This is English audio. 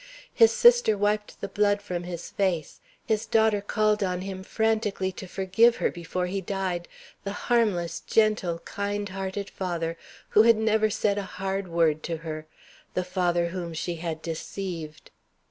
His sister wiped the blood from his face. His daughter called on him frantically to forgive her before he died the harmless, gentle, kind hearted father, who had never said a hard word to her! The father whom she had deceived!